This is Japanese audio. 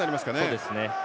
そうですね。